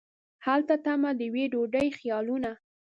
هلته تمه د یوې ډوډۍ خیالونه